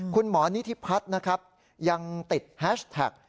คุณหมอนิธิพัฒน์นะครับยังติดแฮชแท็ก